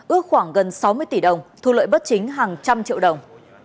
ước khoảng gần sáu mươi tỷ đồng thu lợi bất chính hàng trăm triệu đồng